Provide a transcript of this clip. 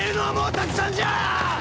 たくさんじゃ！